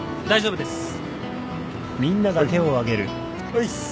おいっす。